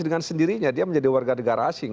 dengan sendirinya dia menjadi warga negara asing